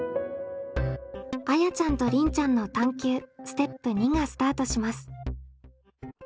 あやちゃんとりんちゃんの探究ステップ２がスタートします。